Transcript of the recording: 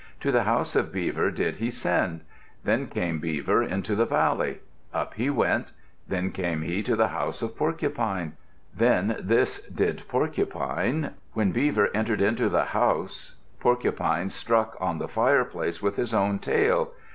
To the house of Beaver did he send. Then came Beaver into the valley. Up he went. Then came he to the house of Porcupine. Then this did Porcupine: when Beaver entered into the house, Porcupine struck on the fireplace with his own tail.